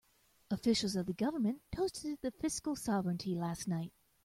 Officials of the government toasted the fiscal sovereignty last night.